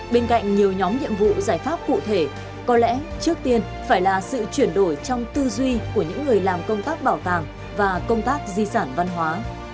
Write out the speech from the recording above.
bên cạnh nhiều nhóm nhiệm vụ giải pháp cụ thể có lẽ trước tiên phải là sự chuyển đổi trong tư duy của những người làm công tác bảo tàng và công tác di sản văn hóa